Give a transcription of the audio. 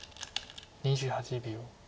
２８秒。